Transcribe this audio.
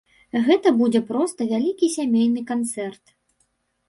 Гэта будзе проста вялікі сямейны канцэрт.